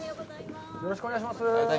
よろしくお願いします。